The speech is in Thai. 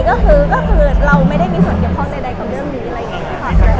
มก็คือไม่ได้มีส่วนเกี่ยวข้องใดกับเรื่องนี้